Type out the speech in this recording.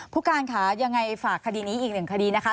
ผู้การค่ะยังไงฝากคดีนี้อีกหนึ่งคดีนะคะ